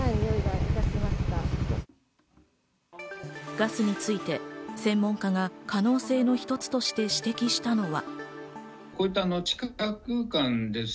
ガスについて専門家が可能性の一つとして指摘したのは。